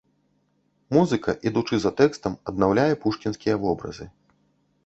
Музыка, ідучы за тэкстам, аднаўляе пушкінскія вобразы.